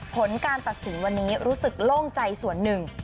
ผลการตัดสินวันนี้รู้สึกโล่งใจส่วนหนึ่ง